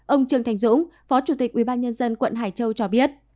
ông trương thành dũng phó chủ tịch ubnd quận hải châu cho biết